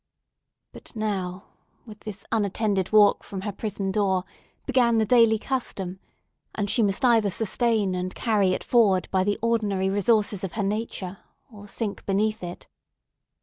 But now, with this unattended walk from her prison door, began the daily custom; and she must either sustain and carry it forward by the ordinary resources of her nature, or sink beneath it.